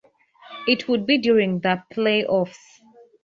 It would be during the playoffs.